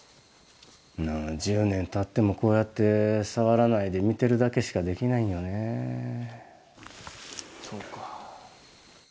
１０年たってもこうやって触らないで、見てるだけしかできないんそうか。